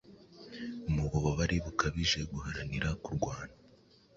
Mububabare bukabije guharanira, kurwana.